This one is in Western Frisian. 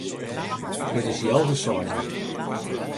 It is healwei seizen.